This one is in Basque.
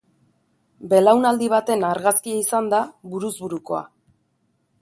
Belaunaldi baten argazkia izan da buruz burukoa.